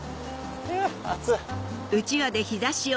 暑い！